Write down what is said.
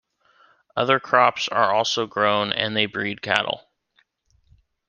Other crops are also grown and they breed cattle.